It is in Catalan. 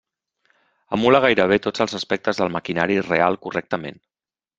Emula gairebé tots els aspectes del maquinari real correctament.